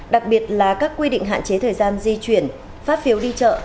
đặc biệt là các quy định hạn chế thời gian di chuyển phát phiếu đi chợ